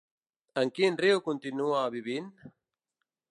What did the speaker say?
En quin riu continua vivint?